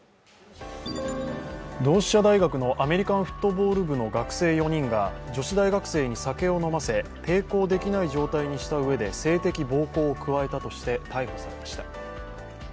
同志社大学のアメリカンフットボール部の学生４人が女子大学生に酒を飲ませ、抵抗できない状態にしたうえで性的暴行を加えたとして逮捕されました。